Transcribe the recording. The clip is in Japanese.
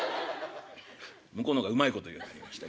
向こうの方がうまいこと言うようになりましたけども。